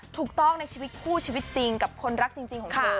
ถูกต้องในชีวิตคู่ชีวิตจริงกับคนรักจริงของเธอ